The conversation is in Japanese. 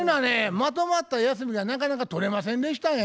まとまった休みがなかなか取れませんでしたんや。